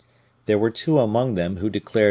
There were two among them who declared M.